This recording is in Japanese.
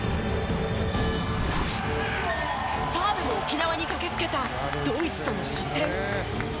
澤部も沖縄に駆けつけたドイツとの初戦。